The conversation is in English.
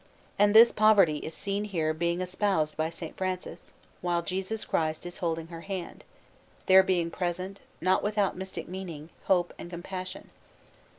And this Poverty is seen here being espoused by S. Francis, while Jesus Christ is holding her hand, there being present, not without mystic meaning, Hope and Compassion.